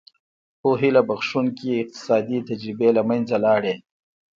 خو هیله بښوونکې اقتصادي تجربې له منځه لاړې.